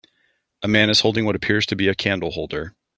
A man is holding what appears to be a candle holder.